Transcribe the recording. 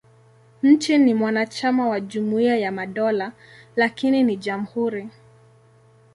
Nchi ni mwanachama wa Jumuiya ya Madola, lakini ni jamhuri.